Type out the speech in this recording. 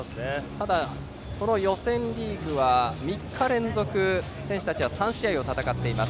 ただ、この予選リーグは３日連続、選手たちは３試合を戦っています。